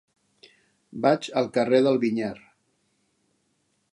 Vaig al carrer del Vinyar.